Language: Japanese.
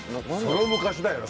その昔だよね